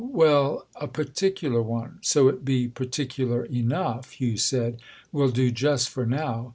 "Well, a particular one—so it be particular enough," Hugh said—"will do just for now.